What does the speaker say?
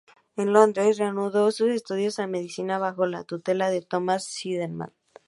En Londres, reanudó sus estudios de medicina bajo la tutela de Thomas Sydenham.